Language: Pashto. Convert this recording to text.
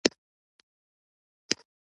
هېواد د کلتور نغمه ده.